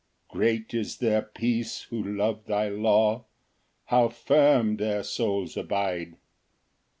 Ver. 165. 3 Great is their peace who love thy law; How firm their souls abide!